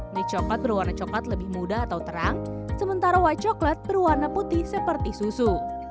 mie coklat berwarna coklat lebih muda atau terang sementara white coklat berwarna putih seperti susu